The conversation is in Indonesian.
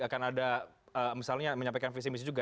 akan ada misalnya menyampaikan visi misi juga